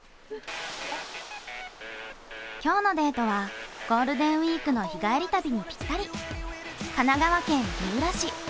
今日のデートはゴールデンウイークの日帰り旅にぴったり、神奈川県三浦市。